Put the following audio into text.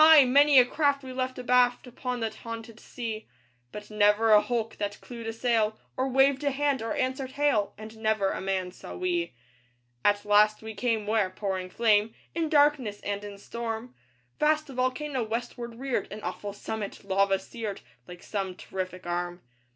many a craft we left abaft Upon that haunted sea; But never a hulk that clewed a sail, Or waved a hand, or answered hail, And never a man saw we. At last we came where pouring flame In darkness and in storm, Vast a volcano westward reared An awful summit, lava seared, Like some terrific arm.